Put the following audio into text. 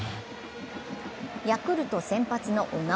ヤクルト先発の小川。